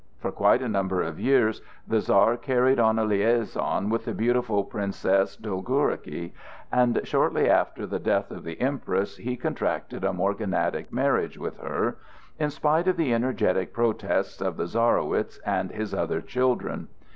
For quite a number of years the Czar carried on a liaison with the beautiful Princess Dolgorouki, and shortly after the death of the Empress he contracted a morganatic marriage with her, in spite of the energetic protests of the Czarowitz and his other children.